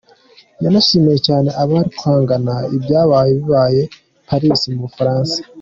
Yanashimiye cyane abari kwamagana ibyaraye bibaye i Paris mu Bufaransa.